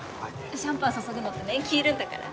シャンパン注ぐのって年季いるんだから。